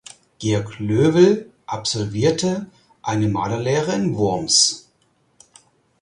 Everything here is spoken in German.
Georg Löwel absolvierte eine Malerlehre in Worms.